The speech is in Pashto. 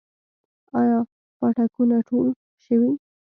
آیا پاټکونه ټول شوي؟